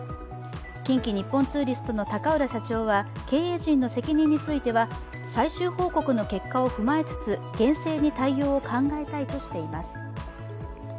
近畿日本ツーリストの高浦社長は、経営陣の責任については最終報告の結果を踏まえつつ厳正に対応を考えたいとしています。